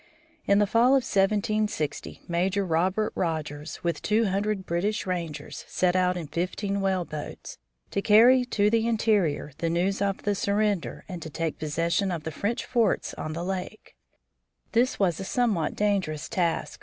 In the fall of 1760 Major Robert Rogers, with two hundred British rangers, set out in fifteen whale boats, to carry to the interior the news of the surrender and to take possession of the French forts on the lakes. This was a somewhat dangerous task.